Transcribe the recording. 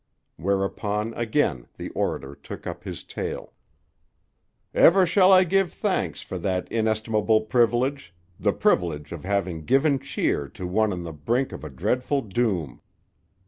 Whereupon again the orator took up his tale. "Ever shall I give thanks for that inestimable privilege, the privilege of having given cheer to one on the brink of a dreadful doom.